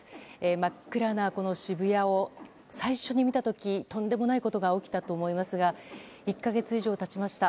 真っ暗な渋谷を最初に見た時とんでもないことが起きたと思いましたが１か月以上経ちました。